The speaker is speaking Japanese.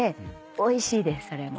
おいしいですそれも。